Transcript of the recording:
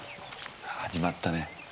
始まったね。